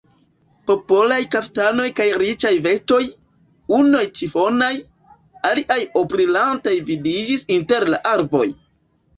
Popolaj kaftanoj kaj riĉaj vestoj, unuj ĉifonaj, aliaj orbrilantaj vidiĝis inter la arboj.